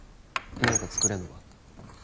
何か作れるのか？